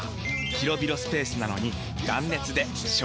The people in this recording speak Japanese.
広々スペースなのに断熱で省エネ！